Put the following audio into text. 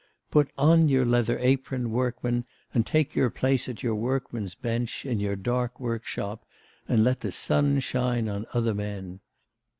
Put on your leather apron, workman, and take your place at your workman's bench, in your dark workshop, and let the sun shine on other men!